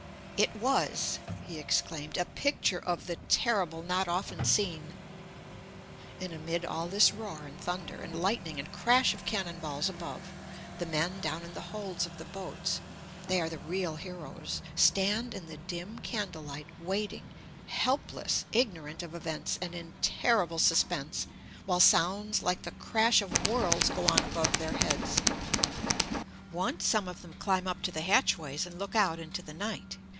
"It was," he exclaimed, "a picture of the terrible not often seen." And amid all this roar and thunder and lightning and crash of cannonballs above, the men down in the holds of the boats they are the real heroes stand in the dim candle light waiting, helpless, ignorant of events, and in terrible suspense, while sounds like the crash of worlds go on above their heads. Once some of them climb up to the hatchways and look out into the night.